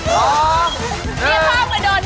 หยุด